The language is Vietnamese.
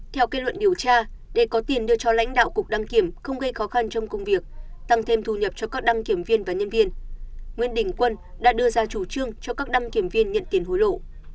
theo kết luận điều tra để có tiền đưa cho lãnh đạo cục đăng kiểm không gây khó khăn trong công việc tăng thêm thu nhập cho các đăng kiểm viên và nhân viên nguyễn đình quân đã đưa ra chủ trương cho các đăng kiểm viên nhận tiền hối lộ